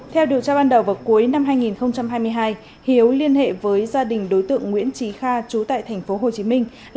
theo điều tra ban đầu vào cuối năm hai nghìn hai mươi hai hiếu liên hệ với gia đình đối tượng nguyễn trí kha chú tại tp hcm